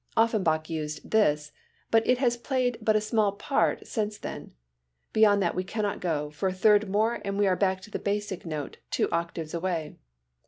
Offenbach used this, but it has played but a small part since then. Beyond that we cannot go, for a third more and we are back to the basic note, two octaves away.